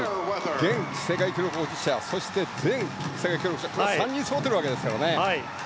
現世界記録保持者そして前世界記録保持者３人そろっているわけですからね。